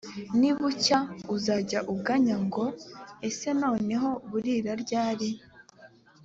nibucya, uzajya uganya ngo «ese noneho burira ryari?»;